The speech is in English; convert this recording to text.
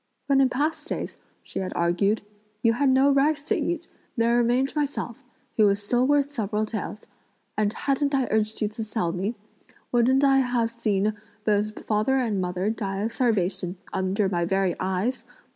"When in past days," she had argued, "you had no rice to eat, there remained myself, who was still worth several taels; and hadn't I urged you to sell me, wouldn't I have seen both father and mother die of starvation under my very eyes?